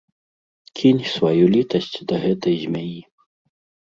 Кінь сваю літасць да гэтай змяі.